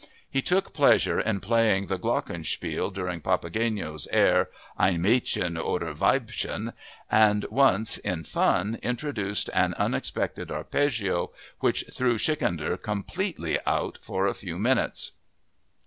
He took pleasure in playing the glockenspiel during Papageno's air "Ein Mädchen oder Weibchen" and once, in fun, introduced an unexpected arpeggio which threw Schikaneder completely out for a few minutes.